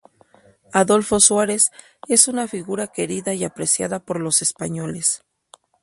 Adolfo Suárez es una figura querida y apreciada por los españoles.